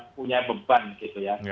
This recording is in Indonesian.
punya beban gitu ya